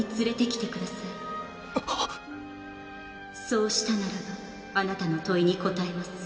そうしたならばあなたの問いに答えます。